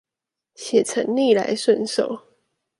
寫成逆來順受